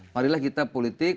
marilah kita politik